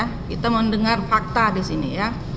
kita mendengar fakta disini ya